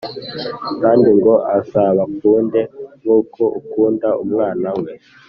kandi ngo azabakunde nk’uko akunda umwana we